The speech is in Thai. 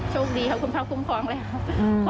โชคดีครับคุณภาพคุ้มคล้องเลยครับ